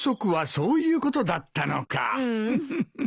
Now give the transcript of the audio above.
フフフ。